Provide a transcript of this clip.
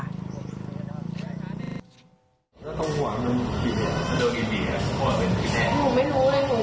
แล้วตรงหัวมันกี่ปีตรงหัวมันกี่ปีครับ